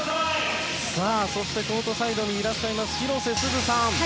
さあ、そしてコートサイドにいらっしゃいます広瀬すずさん。